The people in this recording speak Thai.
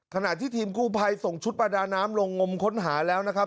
ขณะที่ทีมกู้ภัยส่งชุดประดาน้ำลงงมค้นหาแล้วนะครับ